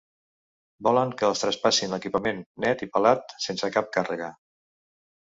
Volen que els traspassin l'equipament net i pelat, sense cap càrrega.